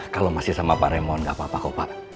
kalau masih sama pak remon gak apa apa kok pak